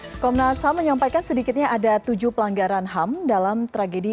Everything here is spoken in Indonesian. hai komnas ham menyampaikan sedikitnya ada tujuh pelanggaran ham dalam tragedi